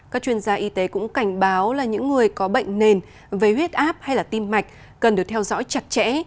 các chuyên gia y tế cũng cảnh báo là những người có bệnh nền vây huyết áp hay tim mạch cần được theo dõi chặt chẽ